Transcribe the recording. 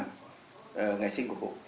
ngày sinh của cụ